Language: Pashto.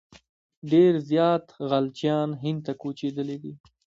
ډېر زیات خلجیان هند ته کوچېدلي دي.